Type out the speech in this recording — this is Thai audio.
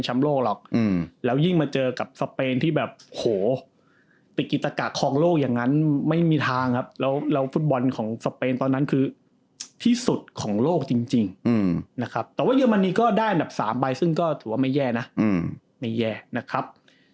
ไม่แย่นะไม่แย่นะครับ